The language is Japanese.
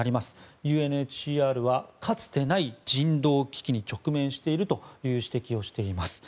ＵＮＨＣＲは、かつてない人道危機に直面しているという指摘をしています。